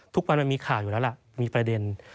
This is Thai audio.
มันมีข่าวอยู่แล้วล่ะมีประเด็น